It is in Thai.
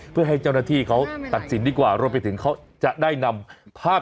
เพื่อให้เจ้าหน้าที่เขาตัดสินดีกว่ารวมไปถึงเขาจะได้นำภาพ